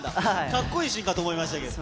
かっこいいシーンかと思いましたけど。